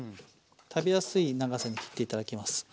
食べやすい長さに切って頂きます。